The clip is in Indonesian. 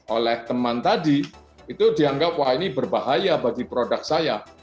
oleh teman tadi itu dianggap wah ini berbahaya bagi produk saya